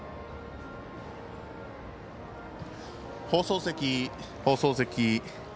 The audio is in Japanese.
放送席、放送席。